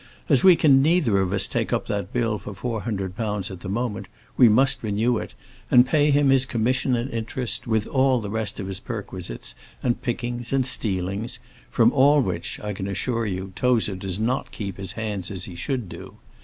As we can neither of us take up that bill for £400 at the moment, we must renew it, and pay him his commission and interest, with all the rest of his perquisites, and pickings, and stealings from all which, I can assure you, Tozer does not keep his hands as he should do.